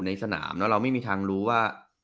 ในสนามแล้วเราไม่มีทางรู้ว่า